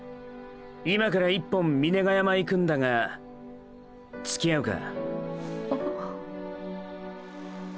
今から一本峰ヶ山いくんだがつきあうか？